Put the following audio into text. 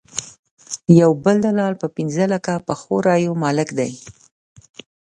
یو بل دلال د پنځه لکه پخو رایو مالک دی.